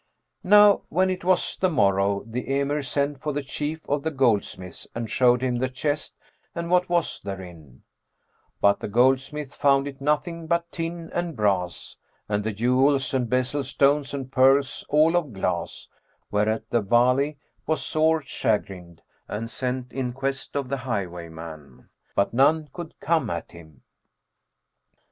Now when it was the morrow, the Emir sent for the chief of the goldsmiths and showed him the chest and what was therein; but the goldsmith found it nothing but tin and brass, and the jewels and bezel stones and pearls all of glass; whereat the Wali was sore chagrined and sent in quest of the highwayman; but none could come at him.